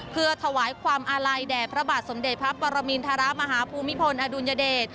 เพื่อถวายความอาลัยแด่พระบาทสมเด็จพระปรมินทรมาฮภูมิพลอดุลยเดช